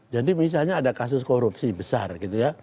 jadi misalnya ada kasus korupsi besar gitu ya